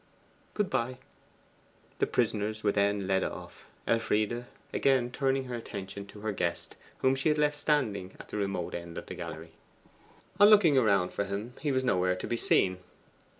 Good bye!' The prisoners were then led off, Elfride again turning her attention to her guest, whom she had left standing at the remote end of the gallery. On looking around for him he was nowhere to be seen.